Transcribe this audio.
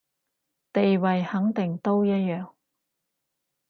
地位肯定都一樣